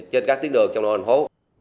trên các tiến đường trong đoàn phố